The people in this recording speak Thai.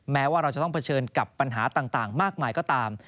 แม้ว่าเราจะต้องเผชิญกับปัญหาต่างมากมายก็ตาม